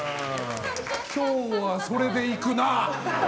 今日は、それでいくな。